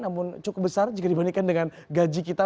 namun cukup besar jika dibandingkan dengan gaji kita